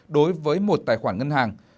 đối với một tài khoản ngân hàng